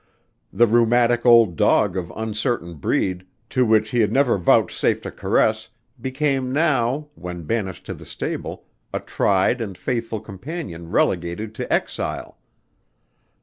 The rheumatic old dog of uncertain breed, to which he had never vouchsafed a caress became now, when banished to the stable, a tried and faithful companion relegated to exile.